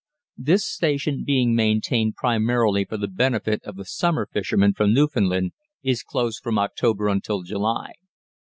This station, being maintained primarily for the benefit of the summer fishermen from Newfoundland, is closed from October until July.